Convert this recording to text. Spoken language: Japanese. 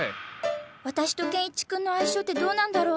私とケンイチ君の相性ってどうなんだろう？